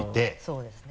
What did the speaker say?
そうですね。